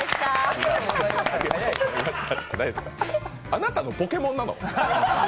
あなたのポケモンなの？